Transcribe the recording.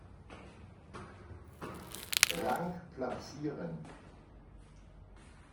Rang platzieren.